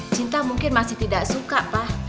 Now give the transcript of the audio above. cinta mungkin masih tidak suka pak